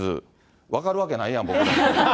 分かるわけないやん、僕らに。